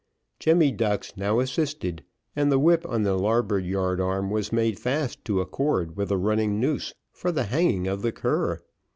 Jemmy Ducks now assisted, and the whip on the larboard yard arm was made fast to a cord with a running noose, for the hanging of the cur.